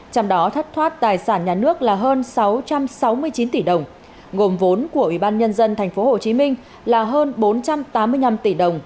trong đó thất thoát tài sản nhà nước là hơn sáu trăm sáu mươi chín tỷ đồng gồm vốn của ủy ban nhân dân tp hcm là hơn bốn trăm tám mươi năm tỷ đồng